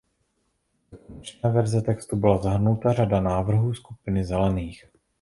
Do konečné verze textu byla zahrnuta řada návrhů skupiny Zelených.